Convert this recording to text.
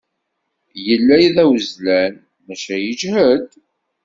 Yella d awezlan, maca yejhed.